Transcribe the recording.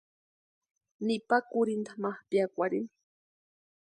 Nipa kurhinta ma piakwarhini.